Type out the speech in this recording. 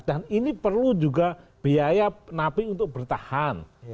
dan ini perlu juga biaya nafi untuk bertahan